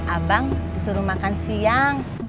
abang disuruh makan siang